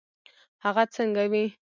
هغه څنګه وي.